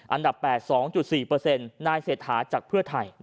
อันดับ๘๒๔นายเศรษฐาจากเพื่อไทย